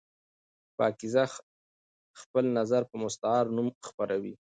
پاکیزه خپل نظر په مستعار نوم خپروي.